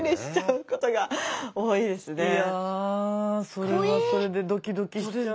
それはそれでドキドキしちゃうわ。